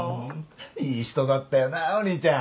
いい人だったよなお兄ちゃん。